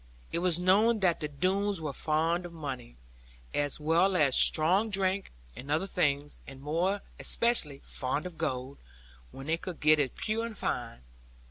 It was known that the Doones were fond of money, as well as strong drink, and other things; and more especially fond of gold, when they could get it pure and fine.